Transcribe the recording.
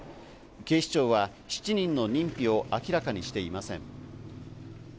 警視庁は７人の認否を明らかにしていません。